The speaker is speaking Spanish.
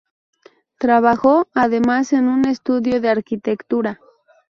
Trabajó además en un estudio de arquitectura.